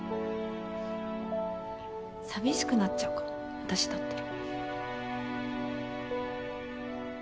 寂しくなっちゃうかも私だったら。